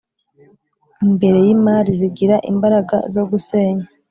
imbere y’Imana zigira imbaraga zo gusenya